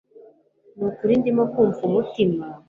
nukurindimo kumva umutima